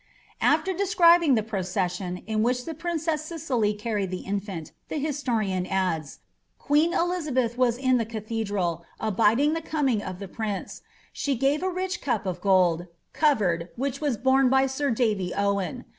'^ After describing the proce9sion, in which the princess Cicely carried the infant, the historian adds, ^ Queen Ellizab^th was in the cathedral, abiding the coming of the prince ; she gave a rich cup of gold, covered, which was borne by Sir Davy Owen.